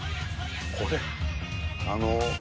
これあの。